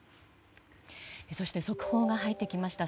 そして、速報が入ってきました。